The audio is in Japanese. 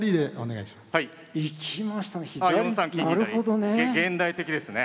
いきましたね。